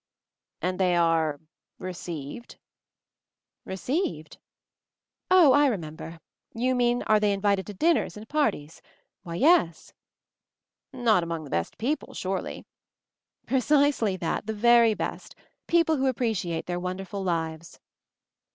'And they are — received?" 'Received ?— Oh, I remember } You mean they are invited to dinners and parties. Why, yes." "Not among the best people, surely?" "Precisely that, the very best ; people who appreciate their wonderful lives."